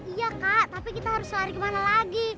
iya kak tapi kita harus lari kemana lagi